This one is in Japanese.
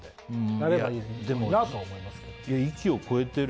やればいいのになって思いますけど。